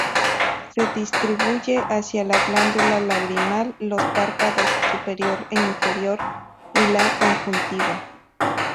Se distribuye hacia la glándula lagrimal, los párpados superior e inferior y la conjuntiva.